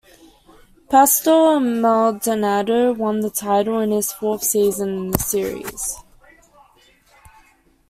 Pastor Maldonado won the title in his fourth season in the series.